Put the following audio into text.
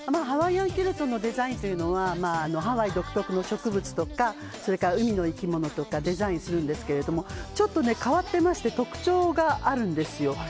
ハワイアンキルトのデザインというのはハワイ独特の植物とか海の生き物とかデザインするんですけどちょっと変わっていまして特徴があるんです。